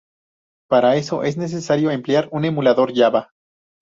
Para eso es necesario emplear un emulador java.